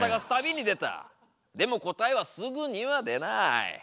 でも答えはすぐには出ない。